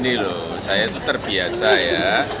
ini loh saya itu terbiasa ya